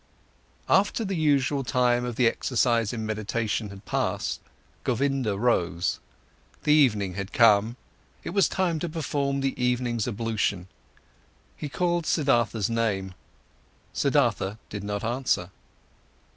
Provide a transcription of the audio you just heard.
After the usual time of the exercise in meditation had passed, Govinda rose. The evening had come, it was time to perform the evening's ablution. He called Siddhartha's name. Siddhartha did not answer.